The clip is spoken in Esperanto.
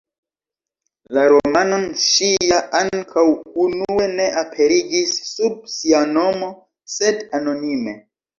La romanon ŝi ja ankaŭ unue ne aperigis sub sia nomo, sed anonime.